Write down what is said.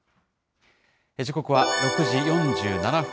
時刻は６時４７分。